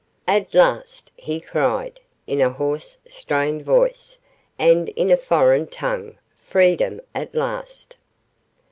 'At last,' he cried, in a hoarse, strained voice, and in a foreign tongue; 'freedom at last.